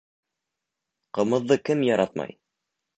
Ҡымыҙҙы кем яратмай